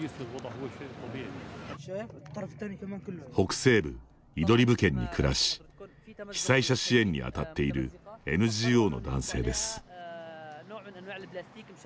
北西部イドリブ県に暮らし被災者支援に当たっているＮＧＯの男性です。